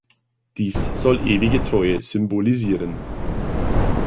Dies soll ewige Treue symbolisieren.